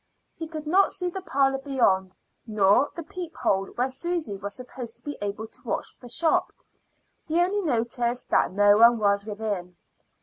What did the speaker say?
He could not see the parlor beyond, nor the peep hole where Susy was supposed to be able to watch the shop; he only noticed that no one was within.